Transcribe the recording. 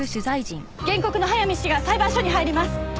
原告の早見氏が裁判所に入ります！